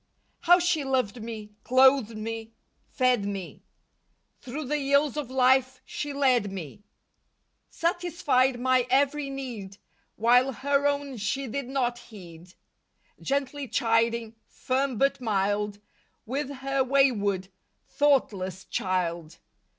How she loved me, clothed me, fed me. Thru the ills of life she led me. Satisfied my every need While her own she did not heed. Gently chiding, firm but mild With her wayward, thoughtless child.